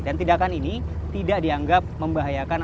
dan tidakkan ini tidak dianggap membahayakan